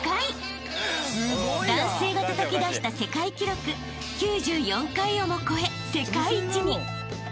［男性がたたき出した世界記録９４回をも超え世界一に］